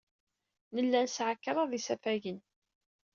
Nella nesɛa kraḍ n yisafagen.